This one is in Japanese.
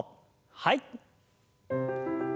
はい。